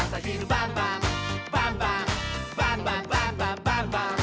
「バンバンバンバンバンバン！」